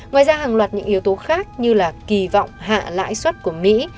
ngoài ra hàng loạt những yếu tố khác như là kỳ vọng hạ lãi suất của mỹ